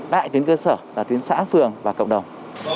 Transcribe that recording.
tại tuyến cơ sở và tuyến xã phường và cộng đồng